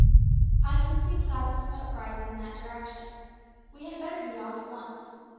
"I can see clouds of smoke rising in that direction. We had better be off at once.